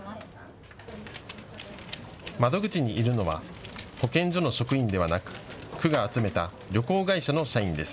窓口にいるのは保健所の職員ではなく、区が集めた旅行会社の社員です。